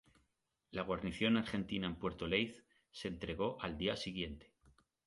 La guarnición argentina en Puerto Leith se entregó al día siguiente.